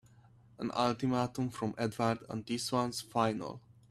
An ultimatum from Edward and this one's final!